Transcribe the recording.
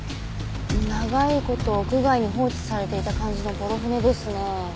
長い事屋外に放置されていた感じのボロ舟ですね。